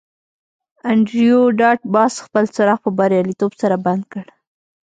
انډریو ډاټ باس خپل څراغ په بریالیتوب سره بند کړ